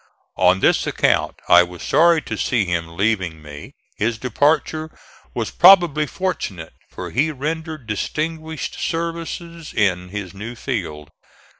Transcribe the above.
On this account I was sorry to see him leaving me. His departure was probably fortunate, for he rendered distinguished services in his new field.